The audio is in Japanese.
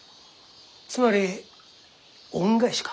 つまり恩返しか？